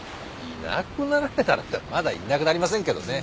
「いなくなられたら」ってまだいなくなりませんけどね。